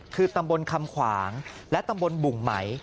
คือตำบลคำขวางและตำบลบุ่งไหม